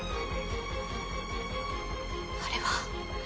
あれは。